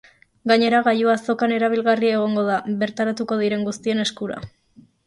Gainera, gailua azokan erabilgarri egongo da, bertaratuko diren guztien eskura.